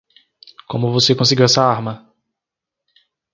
Como você conseguiu essa arma?